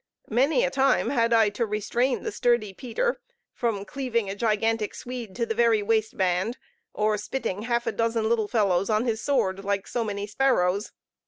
Many a time had I to restrain the sturdy Peter from cleaving a gigantic Swede to the very waistband, or spitting half a dozen little fellows on his sword, like so many sparrows.